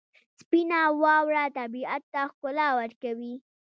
سپینه واوره طبیعت ته ښکلا ورکوي.